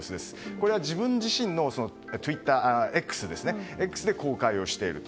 これは、自分自身のＸで公開をしていると。